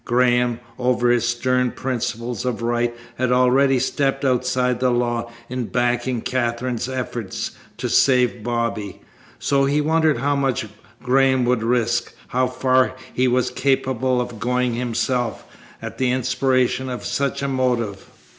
Graham, over his stern principles of right, had already stepped outside the law in backing Katherine's efforts to save Bobby. So he wondered how much Graham would risk, how far he was capable of going himself, at the inspiration of such a motive.